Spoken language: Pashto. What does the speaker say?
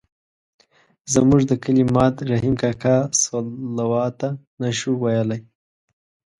زموږ د کلي ماد رحیم کاکا الصلواة نه شوای ویلای.